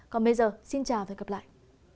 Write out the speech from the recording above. còn bây giờ xin chào và hẹn gặp lại